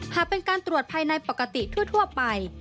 หากเป็นการตรวจภายในปกติทั่วไป